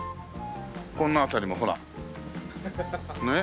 こんな辺りもほらねっ。